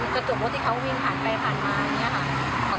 กระตุกรถที่เขาวิ่งผ่านไปผ่านมา